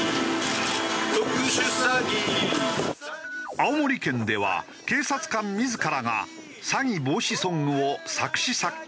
青森県では警察官自らが詐欺防止ソングを作詞作曲し披露。